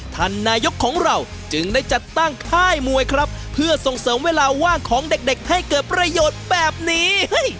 ท่านนายกของเราจึงได้จัดตั้งค่ายมวยครับเพื่อส่งเสริมเวลาว่างของเด็กเด็กให้เกิดประโยชน์แบบนี้